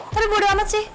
tapi bodoh amat sih